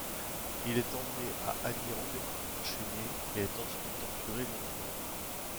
Il est emmené à Hanyang enchaîné, et est ensuite torturé longuement.